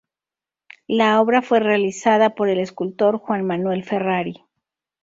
La obra fue realizada por el escultor Juan Manuel Ferrari.